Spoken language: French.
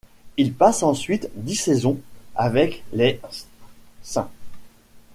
Il passe ensuite dix saisons avec les St.